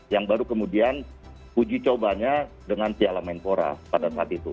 yang baru kemudian uji cobanya dengan piala menpora pada saat itu